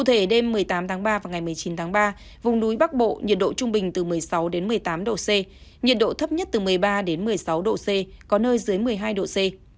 từ ngày một mươi chín tháng ba vùng núi bắc bộ nhiệt độ trung bình từ một mươi sáu một mươi tám độ c nhiệt độ thấp nhất từ một mươi ba một mươi sáu độ c có nơi dưới một mươi hai độ c